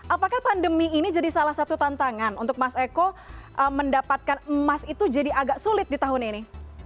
apakah pandemi ini jadi salah satu tantangan untuk mas eko mendapatkan emas itu jadi agak sulit di tahun ini